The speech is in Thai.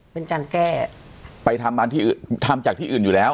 เป็นการแก้ไปทำงานที่อื่นทำจากที่อื่นอยู่แล้ว